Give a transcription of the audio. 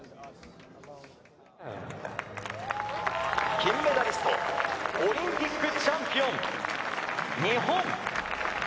金メダリスト、オリンピックチャンピオン、日本。